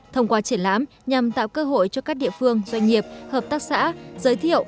thông qua triển lãm nhằm tạo cơ hội cho các địa phương doanh nghiệp hợp tác xã giới thiệu